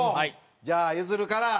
じゃあゆずるから。